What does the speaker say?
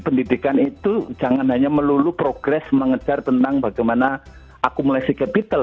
pendidikan itu jangan hanya melulu progres mengejar tentang bagaimana akumulasi capital